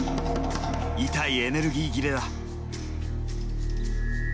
痛いエネルギー切れだ。